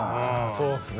そうっすね